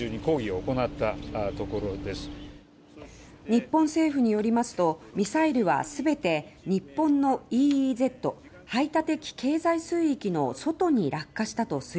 日本政府によりますとミサイルは全て日本のＥＥＺ・排他的経済水域の外に落下したと推定されます。